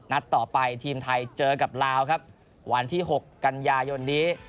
นัดต่อไปทีมไทยเจอกับลาวครับวันที่๖กันยายนนี้